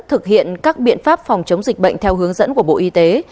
thực hiện các biện pháp phòng chống dịch bệnh theo hướng dẫn của bộ y tế